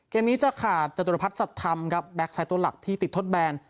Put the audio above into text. เกมนี้จะขาดจตุรพัฒนสัตว์ธรรมครับแก๊กไซต์ตัวหลักที่ติดทดแบน